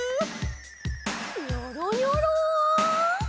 ニョロニョロ。